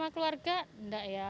kalau keluarga enggak ya